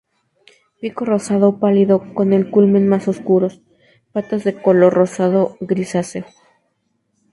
Pico rosado pálido con el culmen más oscuros, patas de color rosado-grisáceo.